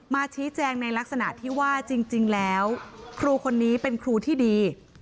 ชี้แจงในลักษณะที่ว่าจริงแล้วครูคนนี้เป็นครูที่ดี